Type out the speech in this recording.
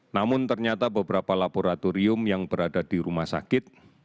namun ternyata beberapa laboratorium yang berada di rumah sakit